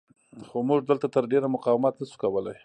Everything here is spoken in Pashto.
خو موږ دلته تر ډېره مقاومت نه شو کولی.